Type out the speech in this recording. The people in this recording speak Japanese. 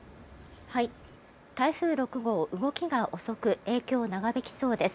台風６号、動きが遅く影響が長引きそうです。